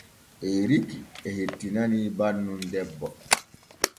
Eriki e hettinanii bannun debbo.